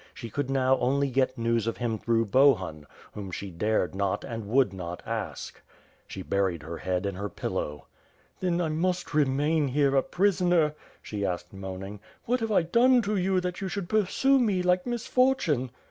She could now only get news of him through Bohun, whom she dared not and would not ask. She buried her head in her pillow. "Then I must remain here a prisoner?" she asked moaning. ^^What have I done to you that you should pursue me like misfortune?"